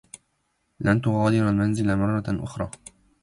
لن تغادر المنزل مرّة أخرى.